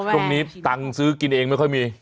ตรงนี้ตังค์ซื้อกินเองไม่ค่อยมี